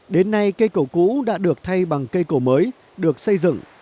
đến nay cây cầu cũ đã được thay bằng cây cổ mới được xây dựng